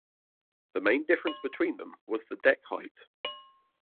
The main difference between them was the deck height.